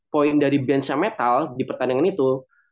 poin dari benchnya metal di pertandingan itu